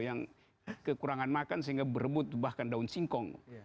yang kekurangan makan sehingga berebut bahkan daun singkong